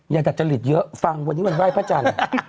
อย่าจัดจะหลีกเยอะฟังวันนี้วันว่ายพระจันทร์